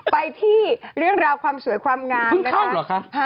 ไปที่เรื่องราวความสวยความงามนะคะ